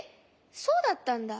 そうだったんだ。